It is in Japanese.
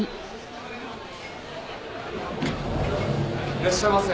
・いらっしゃいませ。